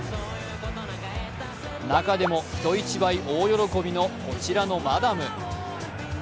中でも人一倍大喜びのこちらのマダム。